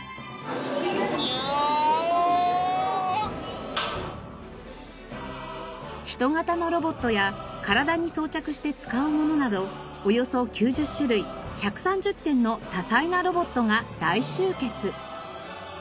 「イヨッ！」人型のロボットや体に装着して使うものなどおよそ９０種類１３０点の多彩なロボットが大集結！